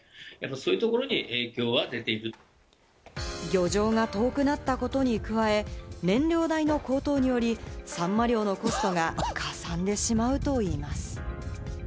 漁場が遠くなったことに加え、燃料代の高騰により、サンマ漁のコストがかさんでしまうといいます。